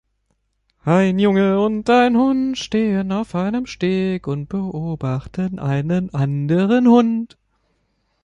Ein Junge und ein Hund stehen auf einem Steg und beobachten einen anderen Hund.